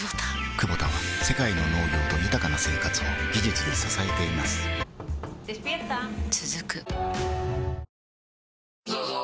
クボタは世界の農業と豊かな生活を技術で支えています起きて。